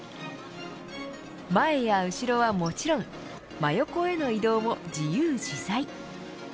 前や後ろはもちろん真横への移動も自由自在。